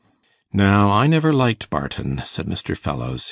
'Now I never liked Barton,' said Mr. Fellowes.